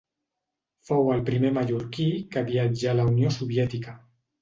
Fou el primer mallorquí que viatjà a la Unió Soviètica.